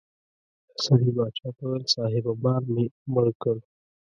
سړي باچا ته وویل صاحبه مار مې مړ کړ.